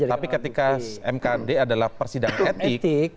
tapi ketika mkd adalah persidangan etik